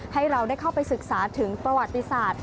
ให้เราได้เข้าไปศึกษาถึงประวัติศาสตร์